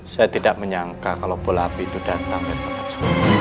saya tidak menyangka kalau bola api itu datang ke tempat suruh